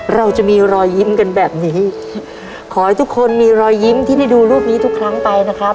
เราจะมีรอยยิ้มกันแบบนี้ขอให้ทุกคนมีรอยยิ้มที่ได้ดูรูปนี้ทุกครั้งไปนะครับ